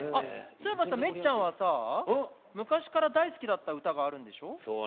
そういえばさめっちゃんはさ昔から大好きだった歌があるんでしょ？